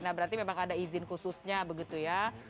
nah berarti memang ada izin khususnya begitu ya